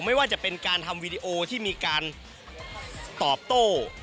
ไม่ว่าจะเป็นการทำวีดีโอที่มีการตอบโต้